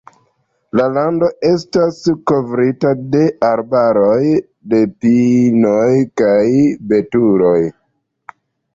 La lando estas kovrita de arbaroj de pinoj kaj betuloj.